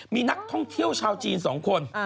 มีนักท่องเที่ยวชาวจีน๒คน